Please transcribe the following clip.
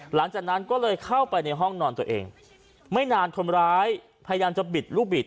หลังจากนั้นก็เลยเข้าไปในห้องนอนตัวเองไม่นานคนร้ายพยายามจะบิดลูกบิด